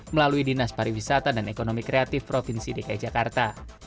melalui dinas pariwisata dan ekonomi kreatif provinsi dki jakarta